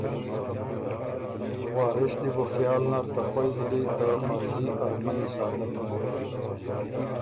وارث دی بو خیال نر ته خوئ زلی ته مرضی ارمني ساتکِن